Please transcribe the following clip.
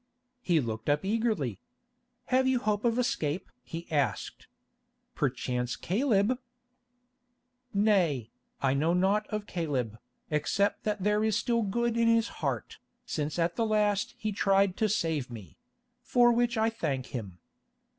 He looked up eagerly. "Have you hope of escape?" he asked. "Perchance Caleb——" "Nay, I know naught of Caleb, except that there is still good in his heart, since at the last he tried to save me—for which I thank him.